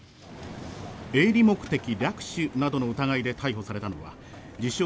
営利目的略取などの疑いで逮捕されたのは自称